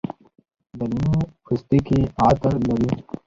د لیمو پوستکي عطر لري.